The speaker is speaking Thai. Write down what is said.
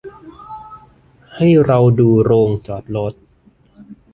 ให้เราดูโรงจอดรถ